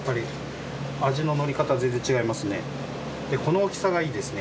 この大きさがいいですね